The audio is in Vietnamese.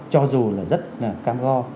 cho dù là rất là cam go